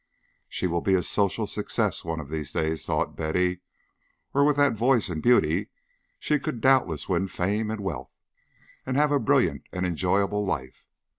"She will be a social success one of these days," thought Betty, "or with that voice and beauty she could doubtless win fame and wealth, and have a brilliant and enjoyable life.